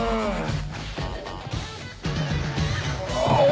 あ。